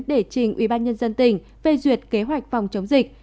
để trình ubnd tỉnh phê duyệt kế hoạch phòng chống dịch